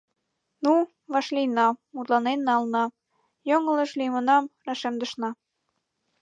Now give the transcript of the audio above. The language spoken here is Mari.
Ну, вашлийна, мутланен нална, йоҥылыш лиймынам рашемдышна.